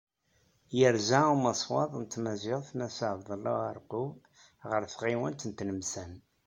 Yerza umaswaḍ n tmaziɣt Mass Ɛebdella Ɛerqub ɣer twilayt n Tlemsan.